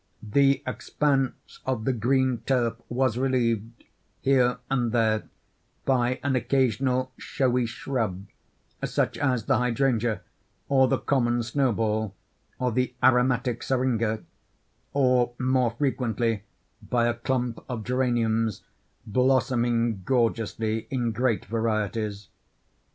The expanse of the green turf was relieved, here and there, by an occasional showy shrub, such as the hydrangea, or the common snowball, or the aromatic seringa; or, more frequently, by a clump of geraniums blossoming gorgeously in great varieties.